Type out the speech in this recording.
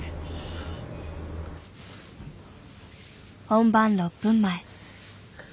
本番６分前。